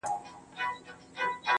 داسې نه ده که ووايي چې عشق